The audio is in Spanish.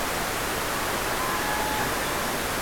Los orígenes del perro negro son difíciles de discernir.